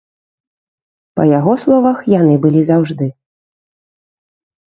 Па яго словах, яны былі заўжды.